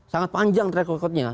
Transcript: sangat panjang track recordnya